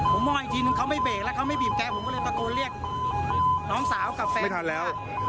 ผมม่อยอีกทีหนึ่งเขาไม่เบรกแล้วเขาไม่บีบแก้ผมก็เลยประโกนเรียกน้องสาวกับแฟน